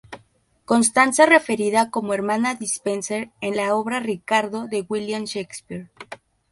Constanza es referida como 'hermana Despenser' en la obra "Ricardo", de William Shakespeare.